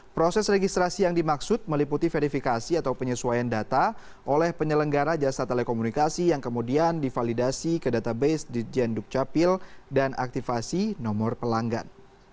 proses registrasi yang dimaksud meliputi verifikasi atau penyesuaian data oleh penyelenggara jasa telekomunikasi yang kemudian divalidasi ke database di jenduk capil dan aktifasi nomor pelanggan